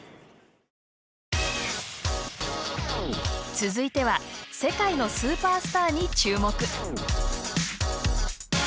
続いては世界のスーパースターに注目。